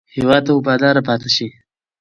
هېواد ته وفادار پاتې شئ.